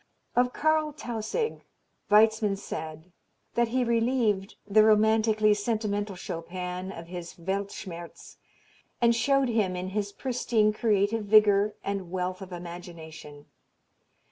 Of Karl Tausig, Weitzmann said that "he relieved the romantically sentimental Chopin of his Weltschmerz and showed him in his pristine creative vigor and wealth of imagination."